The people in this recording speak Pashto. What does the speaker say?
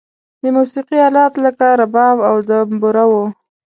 د موسیقی آلات لکه رباب او دمبوره و.